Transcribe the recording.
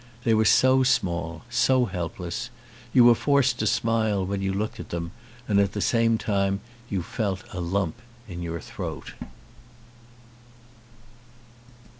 They were so small, so helpless : you were forced to smile when you looked at them and at the same time you felt a lump ki your throat.